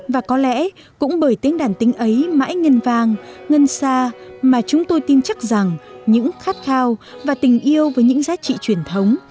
và có lẽ cũng bởi tiếng đàn tính ấy mãi ngân vang ngân xa mà chúng tôi tin chắc rằng những khát khao và tình yêu với những giá trị truyền thống